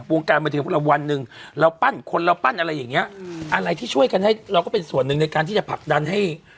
วงการบันเทิงพวกเราวันหนึ่งเราปั้นคนเราปั้นอะไรอย่างเงี้ยอะไรที่ช่วยกันให้เราก็เป็นส่วนหนึ่งในการที่จะผลักดันให้